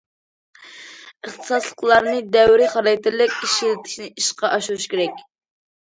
ئىختىساسلىقلارنى دەۋرىي خاراكتېرلىك ئىشلىتىشنى ئىشقا ئاشۇرۇش كېرەك.